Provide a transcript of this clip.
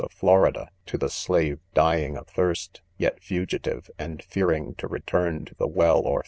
of Florida, to the slave dying of thirst, yet fugitive, and fearing to return to the well or.